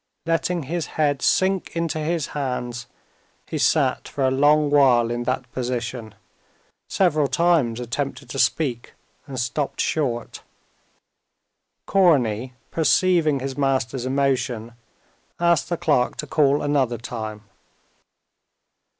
Letting his head sink into his hands, he sat for a long while in that position, several times attempted to speak and stopped short. Korney, perceiving his master's emotion, asked the clerk to call another time.